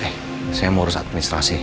eh saya mau urus administrasi